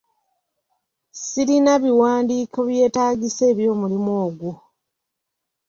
Sirina biwandiiko byetaagisa eby'omulimu ogwo.